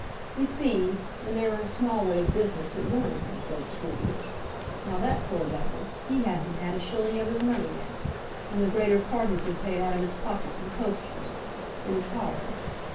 "You see, when they're in a small way of business, it ruins them," said Scruby. "Now that poor devil, he hasn't had a shilling of his money yet, and the greater part has been paid out of his pocket to the posters. It is hard."